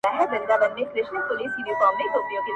• نجلۍ په درد کي ښورېږي او ساه يې درنه او سخته ده..